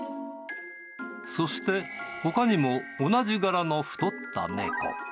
そして、ほかにも同じ柄の太った猫。